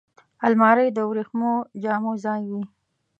الماري د وریښمو جامو ځای وي